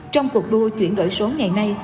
trong cuộc đua chuyển đổi số ngày nay